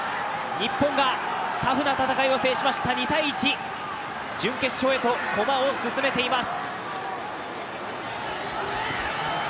日本がタフな戦いを制しまして２−１、準決勝へと駒を進めています。